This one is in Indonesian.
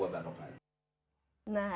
nah ini biasa yang menjadi problematika